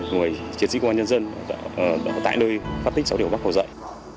của chiến sĩ công an nhân dân tại nơi phát tích sáu bốn hồ dạy